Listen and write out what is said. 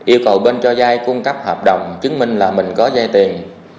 một yêu cầu bên cho dai cung cấp hợp đồng chứng minh là mình có giấy tiền